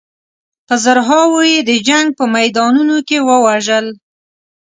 په زرهاوو یې د جنګ په میدانونو کې ووژل.